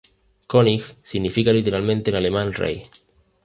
König significa literalmente en alemán "Rey".